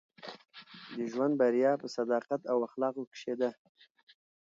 د ژوند بریا په صداقت او اخلاقو کښي ده.